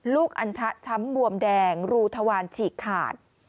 อันทะช้ำบวมแดงรูทวารฉีกขาด